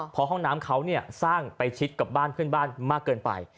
พอห้องน้ำเขาสร้างไปชิดกับบ้านเพื่อนบ้านมากเกินไป